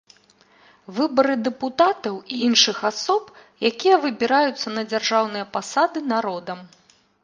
Выбары дэпутатаў і іншых асоб, якія выбіраюцца на дзяржаўныя пасады народам.